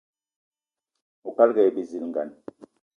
Oukalga aye bizilgan.